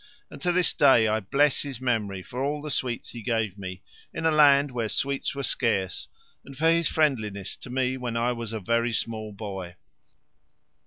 And to this day I bless his memory for all the sweets he gave me, in a land where sweets were scarce, and for his friendliness to me when I was a very small boy.